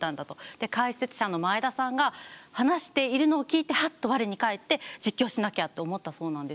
解説者の前田さんが話しているのを聞いてはっと我に返って実況しなきゃと思ったそうなんですけど。